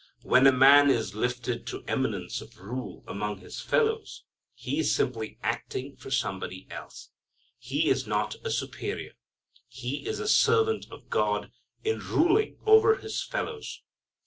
Where a man is lifted to eminence of rule among his fellows he is simply acting for Somebody else. He is not a superior. He is a servant of God, in ruling over his fellows.